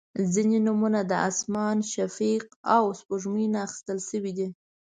• ځینې نومونه د اسمان، شفق، او سپوږمۍ نه اخیستل شوي دي.